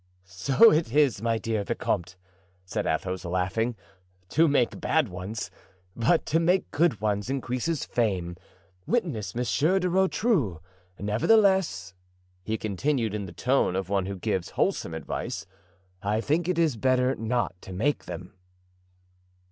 "So it is, my dear vicomte," said Athos, laughing, "to make bad ones; but to make good ones increases fame—witness Monsieur de Rotrou. Nevertheless," he continued, in the tone of one who gives wholesome advice, "I think it is better not to make them."